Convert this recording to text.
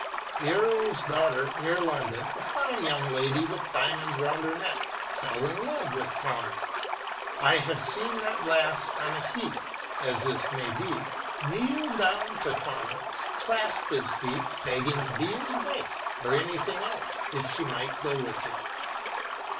An earl's daughter, near London a fine young lady with diamonds round her neck fell in love with Tawno. I have seen that lass on a heath, as this may be, kneel down to Tawno, clasp his feet, begging to be his wife or anything else if she might go with him.